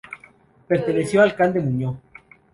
Perteneció al Can de Muñó.